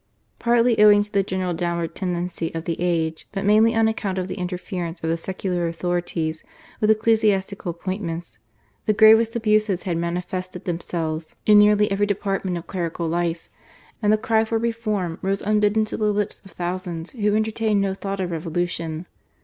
Partly owing to the general downward tendency of the age, but mainly on account of the interference of the secular authorities with ecclesiastical appointments, the gravest abuses had manifested themselves in nearly every department of clerical life, and the cry for reform rose unbidden to the lips of thousands who entertained no thought of revolution.